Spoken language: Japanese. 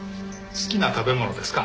好きな食べ物ですか？